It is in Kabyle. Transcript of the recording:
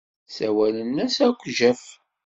Ssawalen-as akk Jeff.